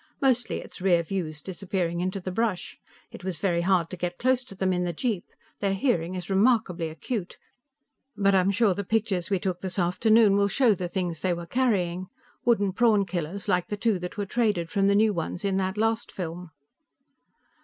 "Mostly it's rear views disappearing into the brush. It was very hard to get close to them in the jeep. Their hearing is remarkably acute. But I'm sure the pictures we took this afternoon will show the things they were carrying wooden prawn killers like the two that were traded from the new ones in that last film."